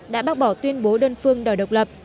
đã bác bỏ tuyên bố đơn phương đòi độc lập